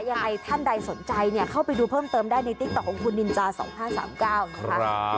ยังไงท่านใดสนใจเนี่ยเข้าไปดูเพิ่มเติมได้ในติ๊กต๊อของคุณนินจา๒๕๓๙นะคะ